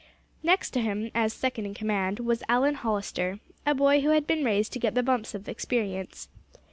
Next to him, as second in command, was Allan Hollister, a boy who had been raised to get the bumps of experience.